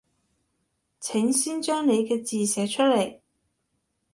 請先將你嘅字寫出來